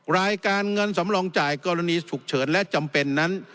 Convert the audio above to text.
รายการเงินสำรองจ่ายกรณีฉุกเฉินและจำเป็นนั้น